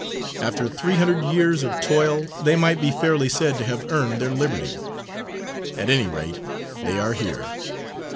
After three hundred years of toil they might be fairly said to have earned their liberty. At any rate, they are here.